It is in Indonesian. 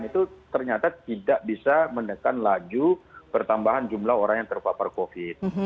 itu ternyata tidak bisa menekan laju pertambahan jumlah orang yang terpapar covid